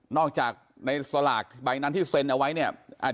จากในสลากใบนั้นที่เซ็นเอาไว้เนี่ย